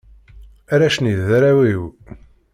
Arrac-nni, d arraw-iw.